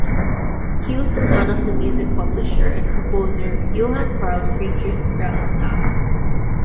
He was the son of the music publisher and composer Johann Carl Friedrich Rellstab.